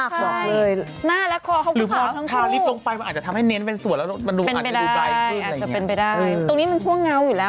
ของฉันดำดี